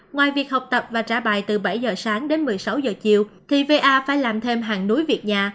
ngoài việc học tập và trả bài từ bảy h sáng đến một mươi sáu h chiều thì va phải làm thêm hàng núi việc nhà